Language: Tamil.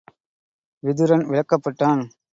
விதுரன் விலக்கப் பட்டான்.